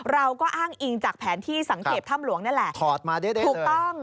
เราก็อ้างอิงจากแผนที่สังเกตถ้ำหลวงนี่แหละถอดมาได้ถูกต้อง